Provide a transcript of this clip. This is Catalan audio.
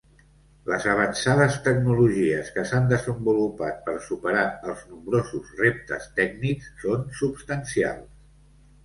Les avançades tecnologies que s'han desenvolupat per superar els nombrosos reptes tècnics són substancials.